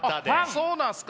そうなんですか？